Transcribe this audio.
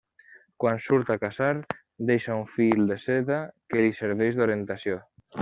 Quan surt a caçar deixa un fil de seda que li serveix d'orientació.